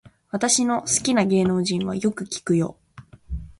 私の好きな芸能人はよく聞くよ